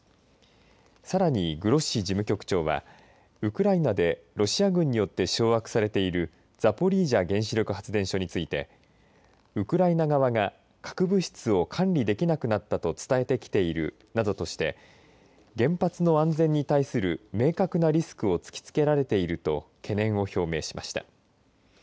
さらに、グロッシ事務局長はウクライナでロシア軍によって掌握されているザポリージャ原子力発電所についてウクライナ側が核物質を管理できなくなったと伝えてきているなどとして原発の安全に対する明確なリスクを突きつけられていると懸念を表明しました。